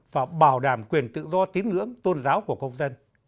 và bảo đảm quyền tự do tín ngưỡng tôn giáo của công dân